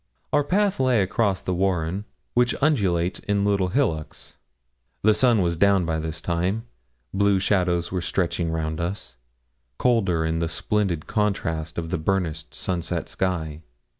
Our path lay across the warren, which undulates in little hillocks. The sun was down by this time, blue shadows were stretching round us, colder in the splendid contrast of the burnished sunset sky.